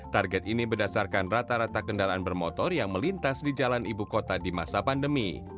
target ini berdasarkan rata rata kendaraan bermotor yang melintas di jalan ibu kota di masa pandemi